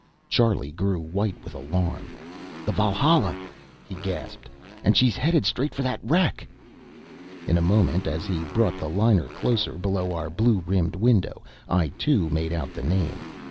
Charlie grew white with alarm. "The Valhalla!" he gasped. "And she's headed straight for that wreck!" In a moment, as he brought the liner closer below our blue rimmed window, I, too, made out the name.